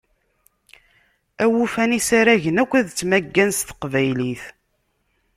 Awufan isaragen akk ad ttmaggan s teqbaylit.